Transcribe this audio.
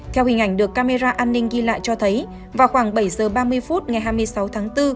theo hình ảnh được camera an ninh ghi lại cho thấy vào khoảng bảy h ba mươi phút ngày hai mươi sáu tháng bốn